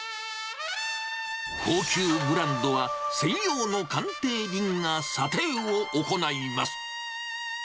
高級ブランドは、専用の鑑定人が査定を行います。